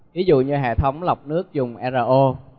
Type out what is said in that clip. ví dụ như hệ thống lọc nước dùng ro